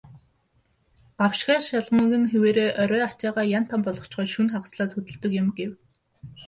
"Гавшгай шалмаг нь хэвээрээ, орой ачаагаа ян тан болгочхоод шөнө хагаслаад хөдөлдөг юм" гэв.